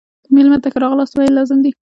مېلمه ته ښه راغلاست ویل لازم دي.